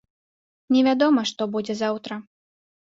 Невядома, што будзе заўтра.